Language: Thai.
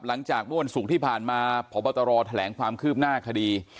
หลังจากเมื่อวันศุกร์ที่ผ่านมาพบตรแถลงความคืบหน้าคดี